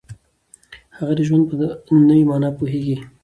هغه د ژوند په نوې معنا پوهیږي.